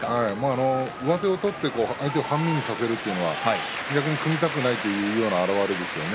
上手を取って相手を半身にさせるというのは組みたいというような表れですね